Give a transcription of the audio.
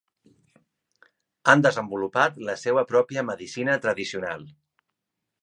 Han desenvolupat la seua pròpia medicina tradicional.